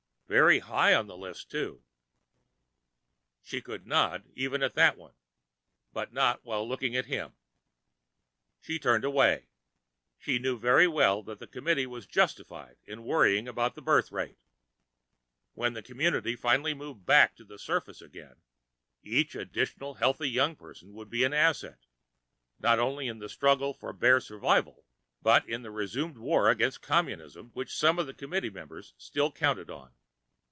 Very high on the list, too!" She could nod even at that one, but not while looking at him. She turned away. She knew very well that the Committee was justified in worrying about the birth rate. When the community finally moved back to the surface again, each additional healthy young person would be an asset, not only in the struggle for bare survival, but in the resumed war against Communism which some of the Committee members still counted on.